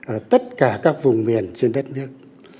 ở tất cả các vùng miền trên đất nước